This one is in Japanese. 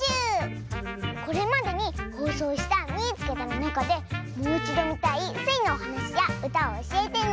これまでにほうそうした「みいつけた！」のなかでもういちどみたいスイのおはなしやうたをおしえてね！